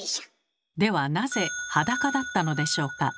ではなぜ裸だったのでしょうか？